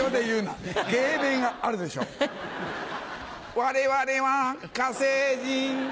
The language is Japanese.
我々ハ火星人。